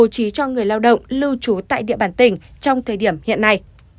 trí cho người lao động lưu trú tại địa bàn tỉnh trong thời điểm hiện nay